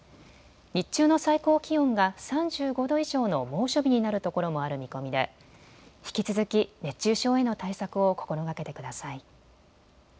日中の最高気温が３５度以上の猛暑日になるところもある見込みで引き続き熱中症への対策を心がけてください。